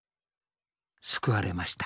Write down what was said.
救われました。